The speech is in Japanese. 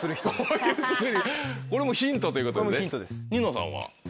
これもヒントということですねニノさんは何となく？